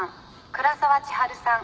倉沢千春さん。